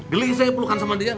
geli saya pelukan sama dia